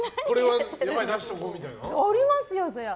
ありますよ、そりゃ。